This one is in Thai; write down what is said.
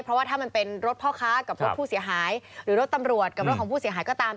เพราะว่าถ้ามันเป็นรถพ่อค้ากับรถผู้เสียหายหรือรถตำรวจกับรถของผู้เสียหายก็ตาม